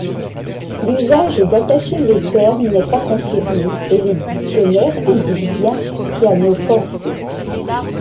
L'usage d'attacher les termes n'est pas confirmé et les dictionnaires indiquent bien piano-forte.